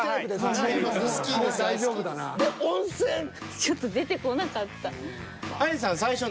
ちょっと出てこなかった。